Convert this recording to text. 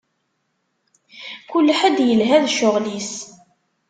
Kul ḥedd yelha d cceɣl-is.